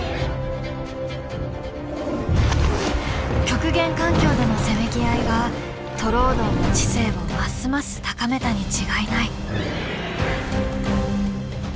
極限環境でのせめぎ合いがトロオドンの知性をますます高めたに違いない。